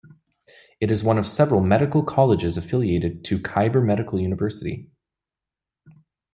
It is one of several medical colleges affiliated to Khyber Medical University.